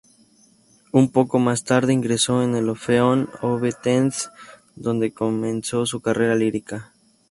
Un poco más tarde ingresó en el Orfeón Ovetense donde comenzó su carrera lírica.